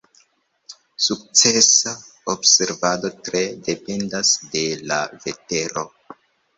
Sukcesa observado tre dependas de la vetero.